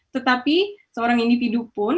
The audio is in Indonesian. tetapi seorang individu pun